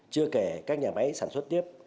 chưa kể các nhà máy sản xuất tiếp